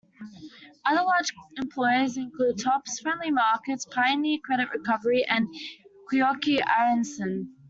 Other large employers include: Tops Friendly Markets, Pioneer Credit Recovery and Koike Aronson.